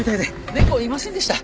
猫いませんでした。